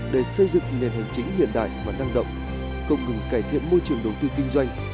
để xây dựng nền hành chính hiện đại và năng động cộng ngừng cải thiện môi trường đầu tư kinh doanh